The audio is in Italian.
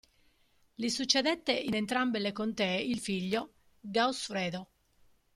Gli succedette in entrambe le contee il figlio, Gausfredo.